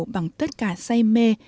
bằng tất cả say mê